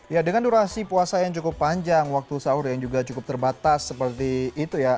ya dengan durasi puasa yang cukup panjang waktu sahur yang juga cukup terbatas seperti itu ya